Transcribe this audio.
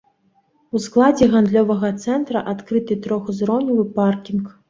У складзе гандлёвага цэнтра адкрыты трохузроўневы паркінг.